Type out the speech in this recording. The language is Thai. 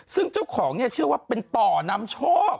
ซึ่งเจ้าของเนี่ยเชื่อว่าเป็นต่อนำโชค